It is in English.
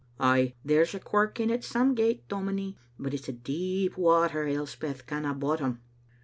' Ay, there's a quirk in it some gait, dominie; but it's a deep water Elspeth canna bottom.